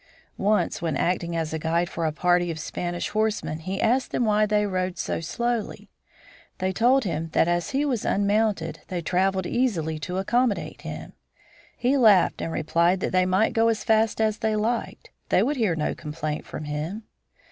Once when acting as a guide for a party of Spanish horsemen he asked them why they rode so slowly. They told him that as he was unmounted they traveled easily to accommodate him. He laughed and replied that they might go as fast as they liked, they would hear no complaint from him.